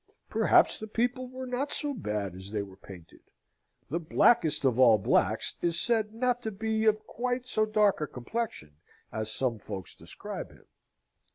Perhaps the people were not so bad as they were painted? The Blackest of all Blacks is said not to be of quite so dark a complexion as some folks describe him.